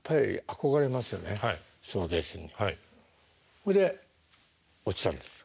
ほいで落ちたんですか。